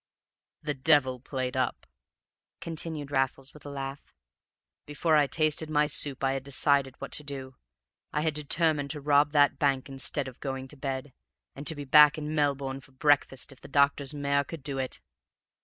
"The devil played up," continued Raffles, with a laugh. "Before I tasted my soup I had decided what to do. I had determined to rob that bank instead of going to bed, and to be back in Melbourne for breakfast if the doctor's mare could do it.